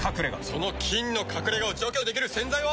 その菌の隠れ家を除去できる洗剤は。